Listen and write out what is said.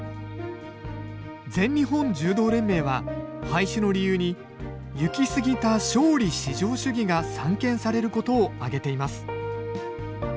全日本柔道連盟は、廃止の理由に、行き過ぎた勝利至上主義が散見されることを挙げています。